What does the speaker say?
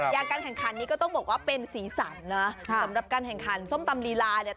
การแข่งขันนี้ก็ต้องบอกว่าเป็นสีสันนะสำหรับการแข่งขันส้มตำลีลาเนี่ย